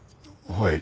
はい。